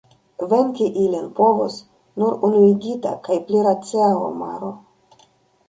Venki ilin povos nur unuigita kaj pli racia homaro.